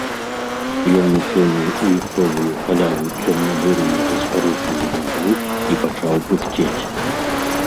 Ён усунуў у юхтовую халяву цёмна-бурую заскарузлую нагу і пачаў пыхцець.